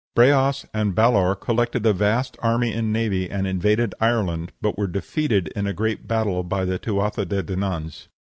Breas and Balor collected a vast army and navy and invaded Ireland, but were defeated in a great battle by the Tuatha de Dananns.